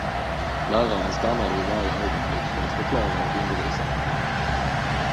Läraren stannade i varje ögonblick för att förklara och undervisa.